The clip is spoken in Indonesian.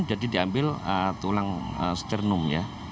jadi diambil tulang sternum